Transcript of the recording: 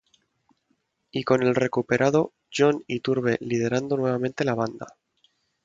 Y con el recuperado Jon Iturbe liderando nuevamente la banda.